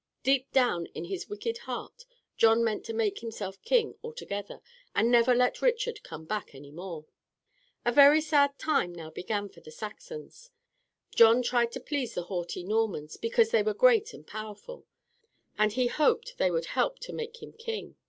Deep down in his wicked heart John meant to make himself king altogether, and never let Richard come back any more. A very sad time now began for the Saxons. John tried to please the haughty Normans because they were great and powerful, and he hoped they would help to make him king.